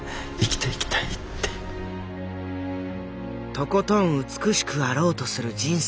とことん美しくあろうとする人生。